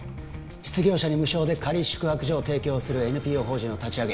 失業者に無償で仮宿泊所を提供するＮＰＯ法人を立ち上げ